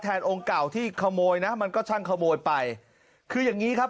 องค์เก่าที่ขโมยนะมันก็ช่างขโมยไปคืออย่างงี้ครับ